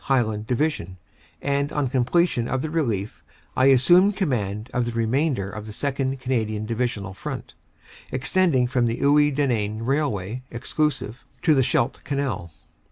(Highland) Division, and on completion of the relief I assumed command of the remainder of the 2nd. Cana dian Divisional front, extending from the Iwuy Denain rail way (exclusive) to the Scheldt Canal.